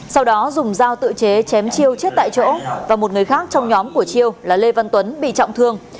sau đó dùng dao tự chế chém chiêu chết tại chỗ và một người khác trong nhóm của chiêu là lê văn tuấn bị trọng thương